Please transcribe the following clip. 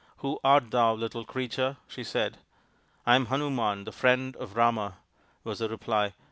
" Who art thou, little Creature?" she said. " I am Hanuman, the friend of Rama," was the reply.